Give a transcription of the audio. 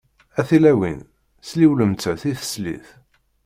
A tilawin, slilwemt-as i teslit!